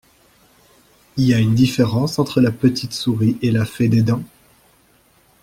Y a une différence entre la petite souris et la fée des dents?